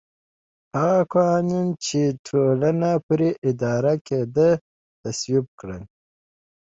هغه قوانین چې ټولنه پرې اداره کېده تصویب کړل